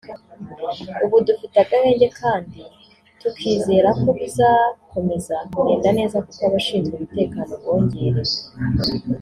ubu dufite agahenge kandi tukizera ko bizakomeza kugenda neza kuko abashinzwe umutekano bongerewe”